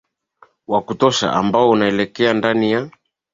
wa kushoto ambao unaelekea ndani ya